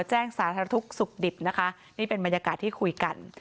แจ้งสารธรรมทุกข์สุขดิบนะคะนี่เป็นบรรยากาศที่คุยกัน